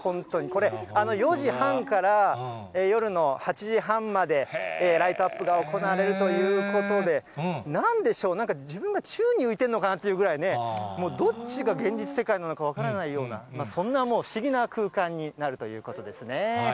これ、４時半から夜の８時半まで、ライトアップが行われるということで、なんでしょう、なんか自分が宙に浮いているのかなっていうぐらいね、もうどっちが現実世界なのか分からないような、そんなもう、不思議な空間になるということですね。